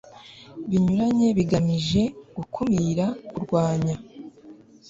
binyuranye bigamije gukumira kurwanya